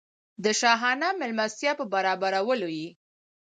د شاهانه مېلمستیا په برابرولو یې.